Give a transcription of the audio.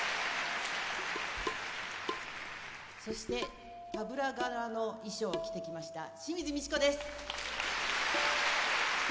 そしてタブラ柄の衣装を着てきました清水ミチコです。